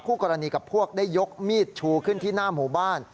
กรณีกับพวกได้ยกมีดชูขึ้นที่หน้าหมู่บ้าน